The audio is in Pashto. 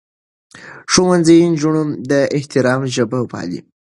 ښوونځی نجونې د احترام ژبه پالي.